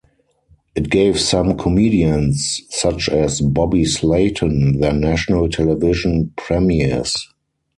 It gave some comedians, such as Bobby Slayton, their national television premieres.